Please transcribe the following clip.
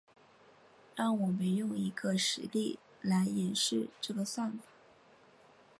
让我们用一个实例来演示这个算法。